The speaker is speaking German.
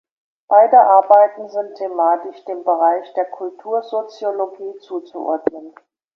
Beide Arbeiten sind thematisch dem Bereich der Kultursoziologie zuzuordnen.